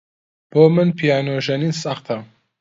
بۆ من پیانۆ ژەنین سەختە.